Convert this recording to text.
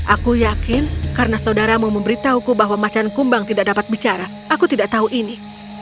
aku yakin karena saudaramu memberitahuku bahwa macan kumbang tidak dapat bicara aku tidak tahu ini